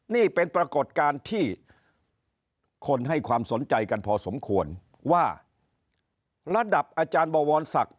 นี่เป็นปรากฏการณ์ที่คนให้ความสนใจกันพอสมควรว่าระดับอาจารย์บวรศักดิ์